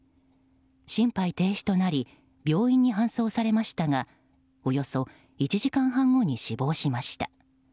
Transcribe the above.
心肺停止となり病院に搬送されましたがおよそ１時間半後に死亡しました。